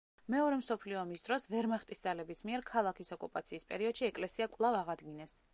მეორე მსოფლიო ომის დროს ვერმახტის ძალების მიერ ქალაქის ოკუპაციის პერიოდში ეკლესია კვლავ აღადგინეს.